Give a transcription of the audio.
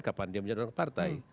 kapan dia menjadi orang partai